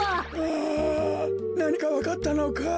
あなにかわかったのかい？